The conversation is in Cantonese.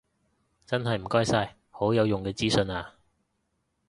真係唔該晒，好有用嘅資訊啊